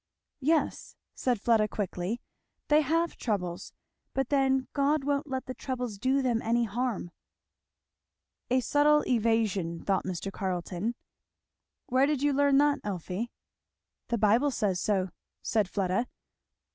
"Yes," said Fleda quickly, "they have troubles, but then God won't let the troubles do them any harm." A subtle evasion, thought Mr. Carleton. "Where did you learn that, Elfie?" "The Bible says so," said Fleda.